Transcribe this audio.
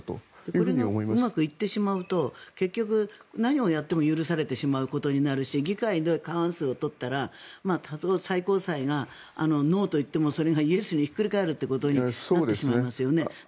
これがうまくいってしまうと結局、何をやっても許されてしまうことになるし議会で過半数を取ったらたとえ最高裁がノーと言ってもそれがイエスにひっくり返るということになってしまいますよね。